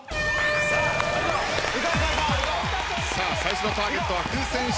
さあ最初のターゲットは風船１つ。